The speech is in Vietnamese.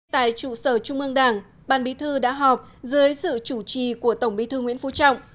tại trụ sở trung ương đảng ban bí thư đã họp dưới sự chủ trì của tổng bí thư nguyễn phú trọng